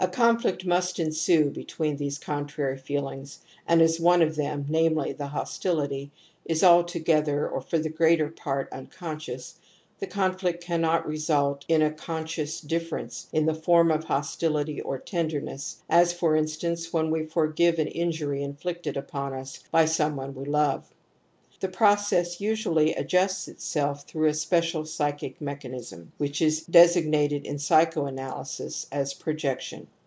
A conflict must ensue between these contrary feelings, and as one of them, namely the hostility, is altogether or for the greater part unconscious, the conflict cannot result in a conscious difference in the form of hostility or tenderness as, for in stance, when we forgive an injury inflicted upon us by some one we love. The process usually adjusts itself through a special psychic mechan ism, which js designated in psychoanalysis as projection.